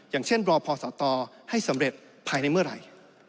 อย่างเช่นบรพศตให้สำเร็จภายในเมื่อไหร่